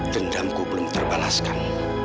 dendamku belum terbalaskan